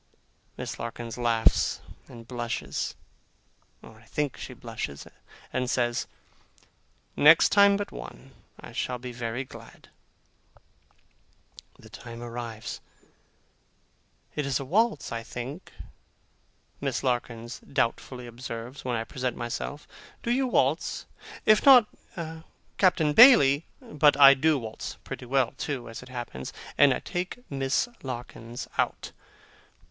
Miss Larkins laughs and blushes (or I think she blushes), and says, 'Next time but one, I shall be very glad.' The time arrives. 'It is a waltz, I think,' Miss Larkins doubtfully observes, when I present myself. 'Do you waltz? If not, Captain Bailey ' But I do waltz (pretty well, too, as it happens), and I take Miss Larkins out.